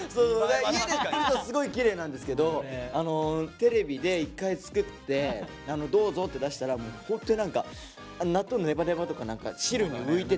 家で作るとすごいきれいなんですけどテレビで一回作って「どうぞ」って出したらホントに何か納豆のネバネバとか汁に浮いてて。